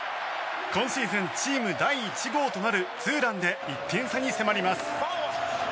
今シーズンチーム第１号となるツーランで１点差に迫ります。